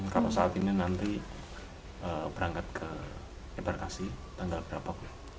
kalau saat ini nanti berangkat ke embarkasi tanggal berapa